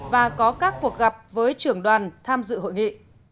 và có các cuộc gặp với trưởng đoàn tham dự hội nghị